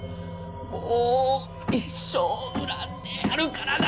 もう一生恨んでやるからな！